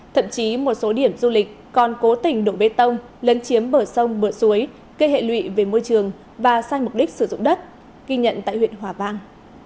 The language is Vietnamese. thậm chí một số điểm du lịch còn cố tình đổ bê tông lấn chiếm bờ sông bờ suối gây hệ lụy về môi trường và sai mục đích sử dụng đất ghi nhận tại huyện hòa vang